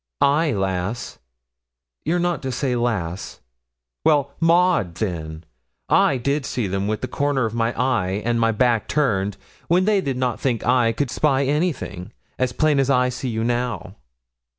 'Ay, lass.' 'You're not to say lass.' 'Well, Maud, then. I did see them with the corner of my eye, and my back turned, when they did not think I could spy anything, as plain as I see you now.'